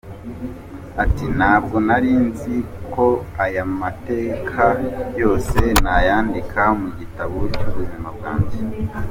Ati “Ntabwo nari nzi ko aya mateka yose nayandika mu gitabo cy’ubuzima bwanjye.